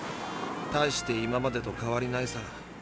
たいして今までと変わりないさ。